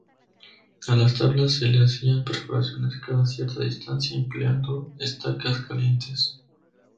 A las tablas se le hacían perforaciones cada cierta distancia empleando estacas calientes.